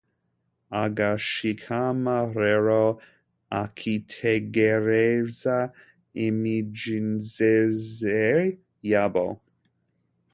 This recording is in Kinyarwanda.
agashikama rero akitegereza imigenzereze yabo